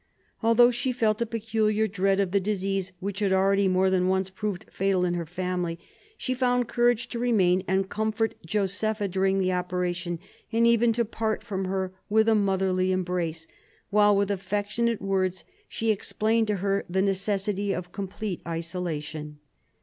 Although she felt a peculiar dread of the disease which had already more than once proved fatal in her family, she found courage to remain and comfort Josepha during the operation, and even to part from her with a motherly embrace, while with affection ate words she explained to her the necessity of complete isolation.